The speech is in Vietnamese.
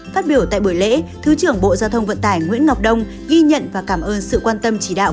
phát biểu tại buổi lễ thứ trưởng bộ giao thông vận tải nguyễn ngọc đông ghi nhận và cảm ơn sự quan tâm chỉ đạo